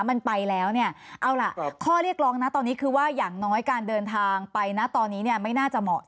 มันไปแล้วเนี่ยเอาล่ะข้อเรียกร้องนะตอนนี้คือว่าอย่างน้อยการเดินทางไปนะตอนนี้เนี่ยไม่น่าจะเหมาะ